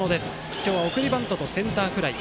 今日は送りバントとセンターフライ。